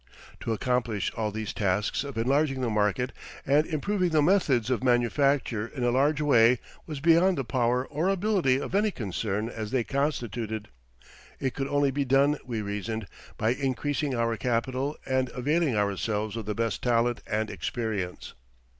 To accomplish all these tasks of enlarging the market and improving the methods of manufacture in a large way was beyond the power or ability of any concern as then constituted. It could only be done, we reasoned, by increasing our capital and availing ourselves of the best talent and experience.